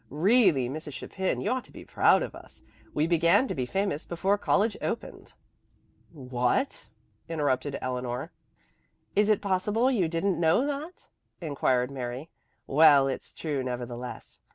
Really, Mrs. Chapin, you ought to be proud of us. We began to be famous before college opened " "What?" interrupted Eleanor. "Is it possible you didn't know that?" inquired Mary. "Well, it's true nevertheless.